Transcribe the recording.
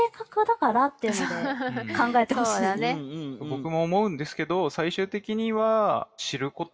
僕も思うんですけど最終的には知ること。